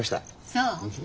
そう。